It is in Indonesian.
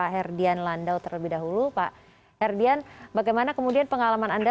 herdian bagaimana kemudian pengalaman anda